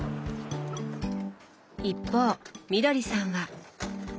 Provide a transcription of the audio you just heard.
一方みどりさんは。